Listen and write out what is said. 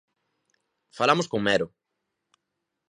Falamos con Mero.